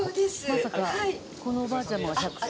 まさかこのおばあちゃまが１００歳？